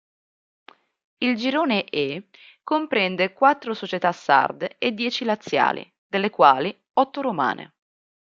Il girone E comprende quattro società sarde e dieci laziali, delle quali otto romane.